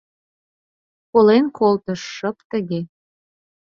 Колен колтыш, шып тыге...